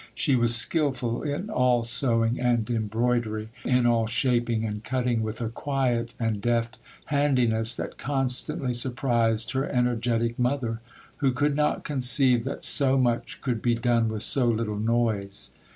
She was skilful in all sewing and embroidery, in all shaping and cutting, with a quiet and deft handiness that constantly surprised her energetic mother, who could not conceive that so much could be done with so little noise.